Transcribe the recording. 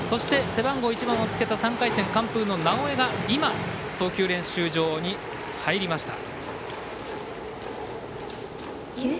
背番号１番をつけた３回戦完封の直江が今投球練習場に入りました。